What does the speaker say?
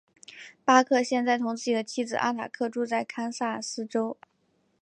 巴克现在同自己的妻子阿塔克住在堪萨斯州。